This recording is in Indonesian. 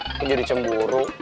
aku jadi cemburu